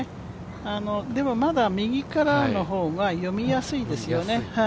でもまだ右からの方が読みやすいですよね。